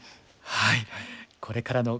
はい。